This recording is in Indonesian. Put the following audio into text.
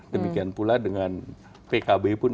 demikian pula dengan pkb pun